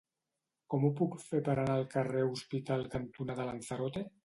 Com ho puc fer per anar al carrer Hospital cantonada Lanzarote?